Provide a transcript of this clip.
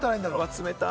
冷たい！